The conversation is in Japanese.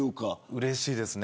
うれしいですね。